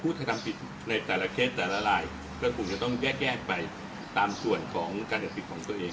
พูดทำผิดในแต่ละเคสแต่ละลายก็จะต้องแยกแยกไปตามส่วนของการดับผิดของตัวเอง